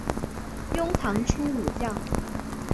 隋唐初武将。